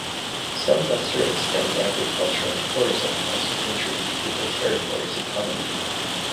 Some lesser extent agriculture and tourism also contribute to the territory's economy.